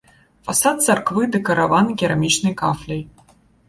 Фасад царквы дэкараваны керамічнай кафляй.